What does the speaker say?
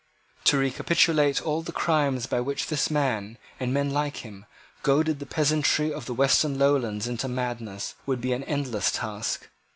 To recapitulate all the crimes, by which this man, and men like him, goaded the peasantry of the Western Lowlands into madness, would be an endless task.